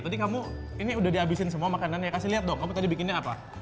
tadi kamu ini udah dihabisin semua makanannya kasih lihat dong kamu tadi bikinnya apa